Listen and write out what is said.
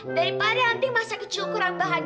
daripada anti masa kecil kurang bahagia